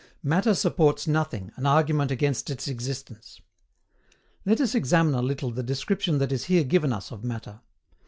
MATTER SUPPORTS NOTHING, AN ARGUMENT AGAINST ITS EXISTENCE. Let us examine a little the description that is here given us of matter.